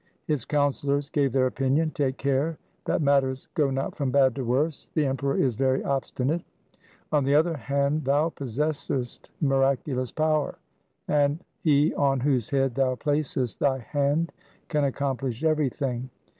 His counsellors gave their opinion, ' Take care that matters go not from bad to worse. The Emperor is very obstinate. On the other hand, thou possessest miraculous power, and he on whose head thou placest thy hand can accomplish everything.